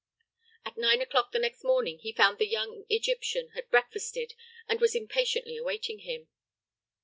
At nine o'clock the next morning he found that the young Egyptian had breakfasted and was impatiently awaiting him.